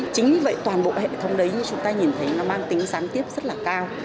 chính vì vậy toàn bộ hệ thống đấy như chúng ta nhìn thấy nó mang tính gián tiếp rất là cao